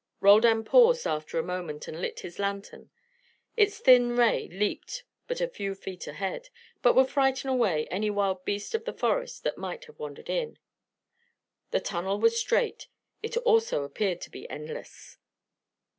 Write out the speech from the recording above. Roldan paused after a moment and lit his lantern. Its thin ray leaped but a few feet ahead, but would frighten away any wild beast of the forest that might have wandered in. The tunnel was straight. It also appeared to be endless.